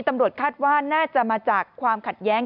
ตำรวจคาดว่าน่าจะมาจากความขัดแย้ง